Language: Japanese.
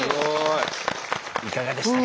いかがでしたか？